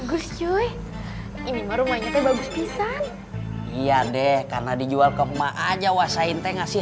bagus cuy ini rumahnya bagus pisan iya deh karena dijual ke rumah aja wasain te ngasih